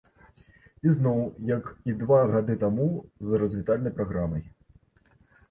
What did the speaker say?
І зноў, як і два гады таму, з развітальнай праграмай.